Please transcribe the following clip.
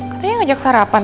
katanya ngajak sarapan